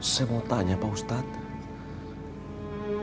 saya mau tanya pak ustadz